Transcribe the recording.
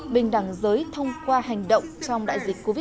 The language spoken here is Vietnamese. bình đằng giới thông qua hành động trong đại dịch covid một mươi chín